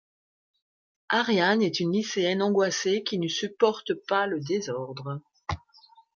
Ariane est une lycéenne angoissée qui ne supporte pas le désordre.